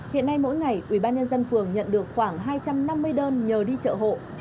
hiện nay mỗi ngày ủy ban nhân dân phường nhận được khoảng hai trăm năm mươi đơn nhờ đi chợ hộ